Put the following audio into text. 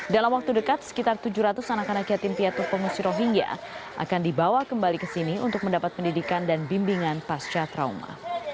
dalam waktu dekat sekitar tujuh ratus anak anak yatim piatu pengungsi rohingya akan dibawa kembali ke sini untuk mendapat pendidikan dan bimbingan pasca trauma